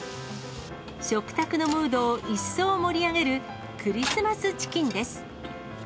食卓のムードを一層盛り上げるクリスマスチキンです。